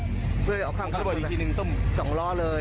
เพื่อเอาข้างข้างบนอีกทีหนึ่งสองล่อเลย